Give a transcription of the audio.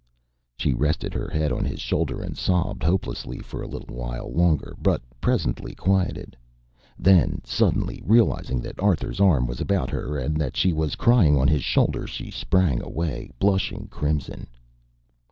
She rested her head on his shoulder and sobbed hopelessly for a little while longer, but presently quieted. Then, suddenly, realizing that Arthur's arm was about her and that she was crying on his shoulder, she sprang away, blushing crimson.